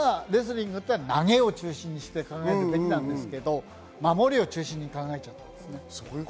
本来レスリングは投げを中心にして考えるべきなんですが、守りを中心に考えちゃったんです。